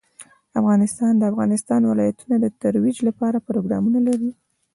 افغانستان د د افغانستان ولايتونه د ترویج لپاره پروګرامونه لري.